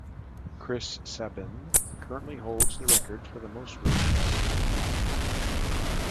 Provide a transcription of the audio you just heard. Chris Sabin currently holds the record for the most reigns, with eight.